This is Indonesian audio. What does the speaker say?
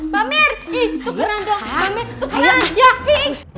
pamer ih tukeran dong pamer tukeran ya fix